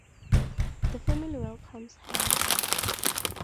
The family welcomes her.